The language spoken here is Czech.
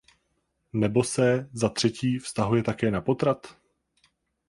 Nebo se, za třetí, vztahuje také na potrat?